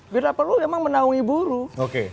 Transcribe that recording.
bila perlu memang menaungi buruh